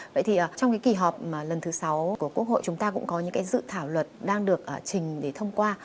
vậy thì trong cái kỳ họp lần thứ sáu của quốc hội chúng ta cũng có những cái dự thảo luật đang được trình để thông qua